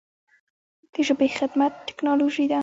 د ژبې خدمت ټکنالوژي ده.